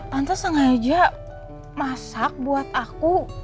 tante sengaja masak buat aku